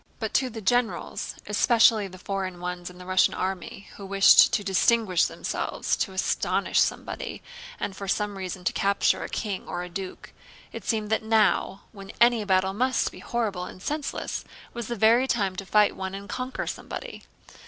But to the generals, especially the foreign ones in the Russian army, who wished to distinguish themselves, to astonish somebody, and for some reason to capture a king or a duke—it seemed that now—when any battle must be horrible and senseless—was the very time to fight and conquer somebody.